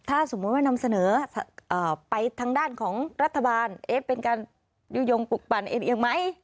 ถ้าสมมุติว่านำเสนอไปทางด้านของรัฐบาลเอ๊ะเป็นการยุโยงปลุกปั่นเองไหม